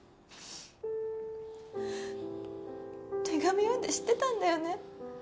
手紙読んで知ってたんだよね？